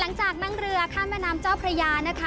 หลังจากนั่งเรือข้ามแมนามเจ้าพระยานะคะ